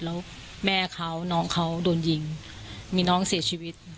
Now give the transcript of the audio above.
แล้วแม่เขาน้องเขาโดนยิงมีน้องเสียชีวิต